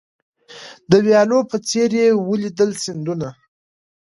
د ویالو په څېر یې ولیدل سیندونه